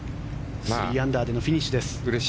３アンダーでのフィニッシュです。